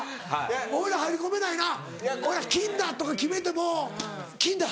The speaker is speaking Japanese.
俺入り込めないな俺金だとか決めても金だ！